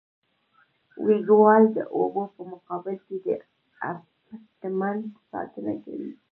وینګ وال د اوبو په مقابل کې د ابټمنټ ساتنه کوي